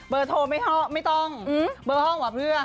เบอร์โทรไม่ต้องเบอร์ห้องหว่าเพื่อ